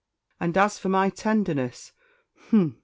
And, as for my tenderness humph!